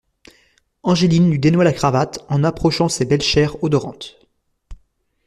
Angeline lui dénoua la cravate, en approchant ses belles chairs odorantes.